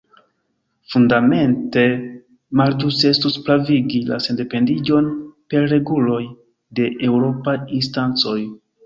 Fundamente malĝuste estus pravigi la sendependiĝon per reguloj de eŭropaj instancoj.